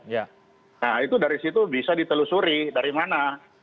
nah itu dari situ bisa ditelusuri dari mana